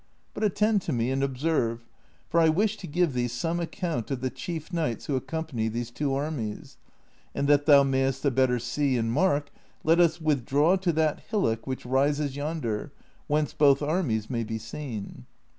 But attend to me and observe, for I wish to give thee some account of the chief knights who ac company these two armies ; and that thou mayest the better see and mark, let us withdraw to that hillock which rises yonder, whence both armies may be seen."